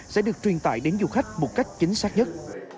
sẽ được truyền tải đến du khách một cách chính xác nhất